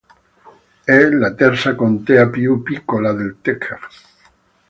È la terza contea più piccola del Texas.